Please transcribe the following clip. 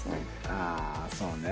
ああそうね。